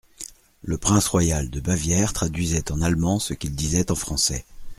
Le prince royal de Bavière traduisait en allemand ce qu'il disait en français.